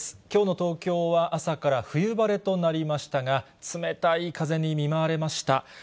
きょうの東京は朝から冬晴れとなりましたが、冷たい風に見舞われました。